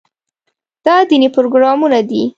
دا دیني پروګرامونه دي.